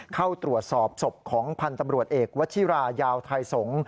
เข้าตรวจสอบศพของพันธ์ตำรวจเอกวัชิรายาวไทยสงศ์